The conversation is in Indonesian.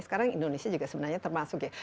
sekarang indonesia juga sebenarnya termasuk ya